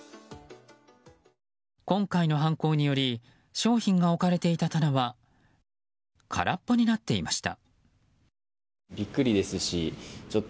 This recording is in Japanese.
今回の犯行により商品が置かれていた棚は空っぽになっていました。